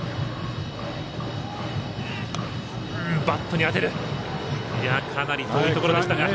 バットに当てた。